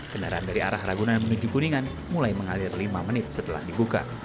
kendaraan dari arah ragunan menuju kuningan mulai mengalir lima menit setelah dibuka